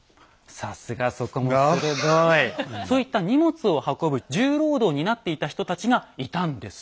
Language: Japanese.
そういった荷物を運ぶ重労働を担っていた人たちがいたんです。